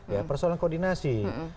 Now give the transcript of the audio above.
ya persoalan koordinasi